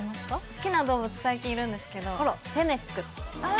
好きな動物最近いるんですけどフェネックああ